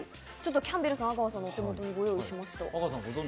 キャンベルさん、阿川さんの手元にご用意しました。